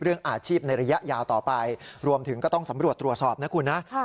เรื่องอาชีพในระยะยาวต่อไปรวมถึงก็ต้องสำรวจตรวจสอบนะคุณนะ